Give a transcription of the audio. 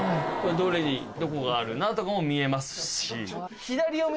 どれにどこがあるなとかも見えますし。